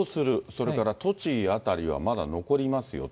それから栃木辺りはまだ残りますよと。